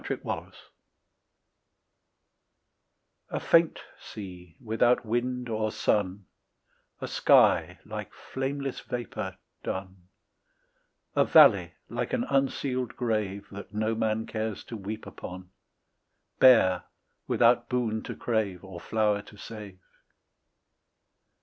ON THE DOWNS A FAINT sea without wind or sun; A sky like flameless vapour dun; A valley like an unsealed grave That no man cares to weep upon, Bare, without boon to crave, Or flower to save.